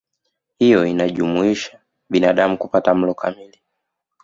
Hiyo inajumuisha binadamu kupata mlo kamili